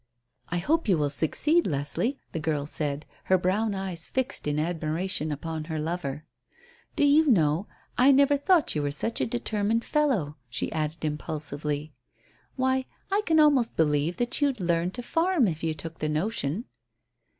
"I hope you will succeed, Leslie," the girl said, her brown eyes fixed in admiration upon her lover. "Do you know, I never thought you were such a determined fellow," she added impulsively. "Why, I can almost believe that you'd learn to farm if you took the notion."